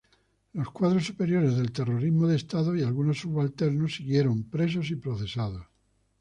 Los cuadros superiores del terrorismo de Estado y algunos subalternos siguieron presos y procesados.